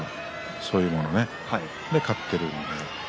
そういうものそれで勝っている。